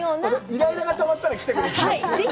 イライラがたまったら、来てください。